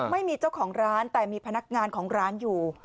ไม่มีเจ้าของร้านแต่มีพนักงานของร้านอยู่